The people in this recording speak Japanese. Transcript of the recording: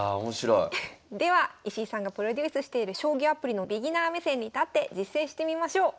では石井さんがプロデュースしている将棋アプリのビギナー目線に立って実戦してみましょう。